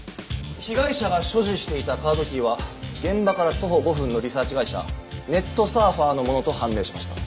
被害者が所持していたカードキーは現場から徒歩５分のリサーチ会社ネットサーファーのものと判明しました。